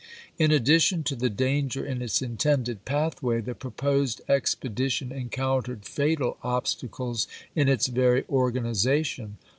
In addition to the danger in its intended path way the proposed expedition encountered fatal obstacles in its very organization.